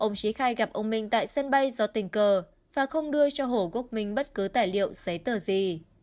ông trí khai gặp ông minh tại sân bay do tình cờ và không đưa cho hồ quốc minh bất cứ tài liệu giấy tờ gì